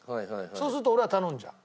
そうすると俺は頼んじゃう。